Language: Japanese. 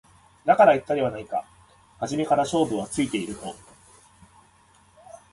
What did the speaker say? だから言ったではないか初めから勝負はついていると